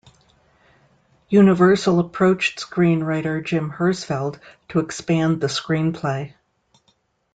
Universal approached screenwriter Jim Herzfeld to expand the screenplay.